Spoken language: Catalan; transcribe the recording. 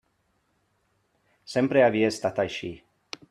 Sempre havia estat així.